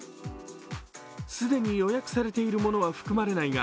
既に予約されているものは含まれないが